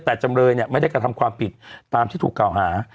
แต่จำเลยเนี่ยไม่ได้กระทำความผิดตามที่ถูกกล่าวหา